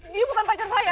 dia bukan pacar saya